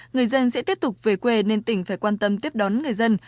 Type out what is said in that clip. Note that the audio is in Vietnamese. người dân sẽ tiếp tục về quê nên tỉnh phải quan tâm tiếp đón người dân